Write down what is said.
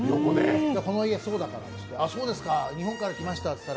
この家そうだからって言って。